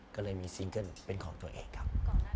ก็เลยมีซิงเกิ้ลเป็นของตัวเองครับ